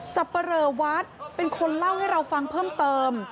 สับปะเรอวัดเป็นคนเล่าให้เราฟังเพิ่มเติม